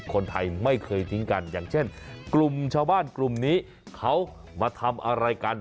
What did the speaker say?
คนไทยไม่เคยทิ้งกันอย่างเช่นกลุ่มชาวบ้านกลุ่มนี้เขามาทำอะไรกัน